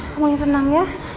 kamu ingin tenang ya